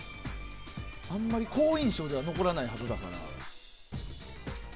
あんまり好印象では残らないはずだから。